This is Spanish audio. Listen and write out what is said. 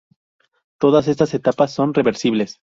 Todas estas etapas son reversibles.